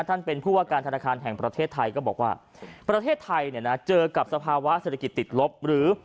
ท่านเป็นผู้ว่าการธนาคารแห่งประเทศไทยก็บอกว่าประเทศไทยเนี่ยนะเจอกับสภาวะเศรษฐกิจติดลบหรือ